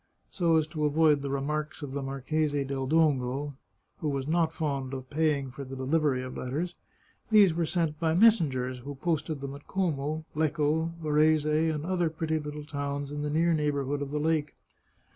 So as to avoid the remarks of the Marchese del Dongo, who was not fond of paying for the delivery of letters, these were sent by messengers, who posted them at Como, Lecco, Varese, and the other pretty little towns in the near neighbourhood of the lake.